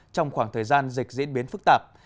trong khoảng thời gian dịch diễn biến phức tạp